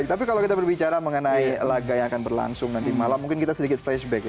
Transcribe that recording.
tapi kalau kita berbicara mengenai laga yang akan berlangsung nanti malam mungkin kita sedikit flashback ya